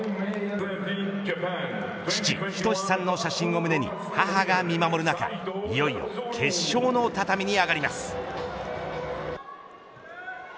父、仁さんの写真を胸に母が見守る中、いよいよ決勝の畳に上がります。